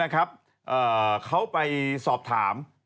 เขาไปสอบถาม